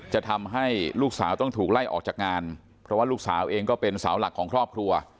จะทำให้ลูกสาวต้องถูกไล่ออกจากงานเพราะว่าลูกสาวเองก็เป็นสาวหลักของครอบครัว